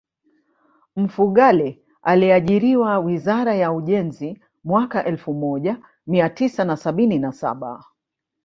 Mfugale aliajiriwa wizara ya ujenzi mwaka elfu moja mia tisa na sabini na saba